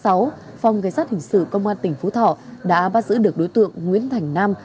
khoảng hai mươi h ngày một mươi một tháng sáu phòng gây sát hình sự công an tỉnh phú thọ đã bắt giữ được đối tượng nguyễn thành nam